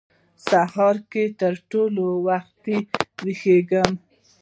سهار کې تر ټولو وختي وېښ کېږم.